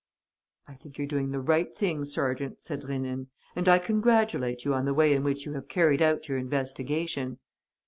"I think you're doing the right thing, sergeant," said Rénine, "and I congratulate you on the way in which you have carried out your investigation."